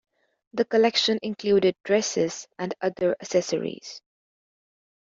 The collection included dresses and other accessories.